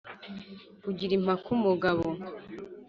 kugira impaka umugabo